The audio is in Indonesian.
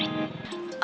ini damet yuk